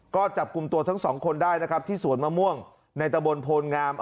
ก็จับกลุ่มตัวทั้งสองคนได้นะครับที่สวนมะม่วงในตะบนโพลงาม